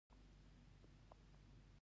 هغه خپله پخوانۍ تنده او غوسه یو څه کمه کړه